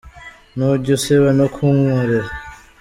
Ntujya usiba no kunkorera